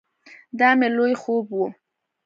دا مې لوی خوب ؤ